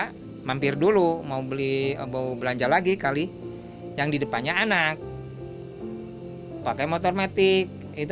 hai mampir dulu mau beli atau belanja lagi kali yang di depannya anak pakai motor matic itu